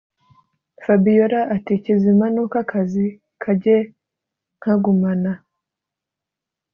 fabiora ati”ikizima nuko akazi kajye nkagumana